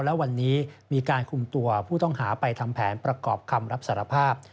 และวันนี้มีการคุมตัวผู้ต้องหาไปทำแผนประกอบคำรับสารภาพ